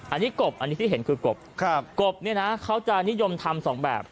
อันนี้กบอันนี้ที่เห็นคือกบกบเนี่ยนะเขาจะนิยมทำสองแบบ